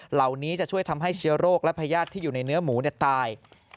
เหล่านี้จะช่วยทำให้เชื้อโรคและพญาติที่อยู่ในเนื้อหมูตาย